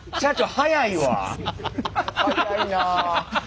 早いなあ。